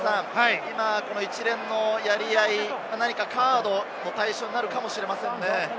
一連のやり合い、何かカードの対象になるかもしれませんね。